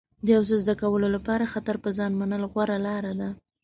د یو څه زده کولو لپاره خطر په ځان منل غوره لاره ده.